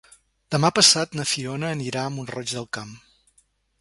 Demà passat na Fiona anirà a Mont-roig del Camp.